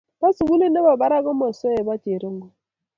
bo sukulit nebo barak komosoe bo cherongo.